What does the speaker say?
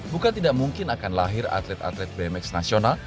bukan tidak mungkin akan lahir atlet atlet bmx nasional